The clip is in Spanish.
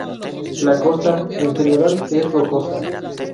La costa, en general, es rocosa.